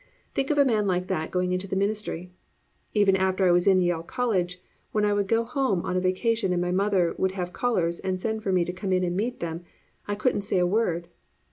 Think of a man like that going into the ministry. Even after I was in Yale College, when I would go home on a vacation and my mother would have callers and send for me to come in and meet them, I couldn't say a word.